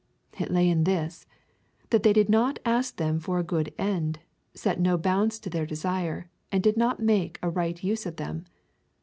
It lay in this, that they did not ask them for a good end, set no bounds to their desire, and did not make a right use of them.